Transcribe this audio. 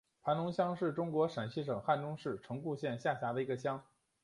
盘龙乡是中国陕西省汉中市城固县下辖的一个乡。